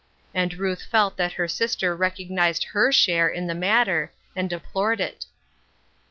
And Ruth felt that her sister recognized her share in the matter and de plored it.